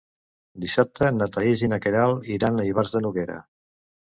Dissabte na Thaís i na Queralt iran a Ivars de Noguera.